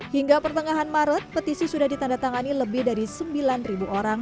hingga pertengahan maret petisi sudah ditandatangani lebih dari sembilan orang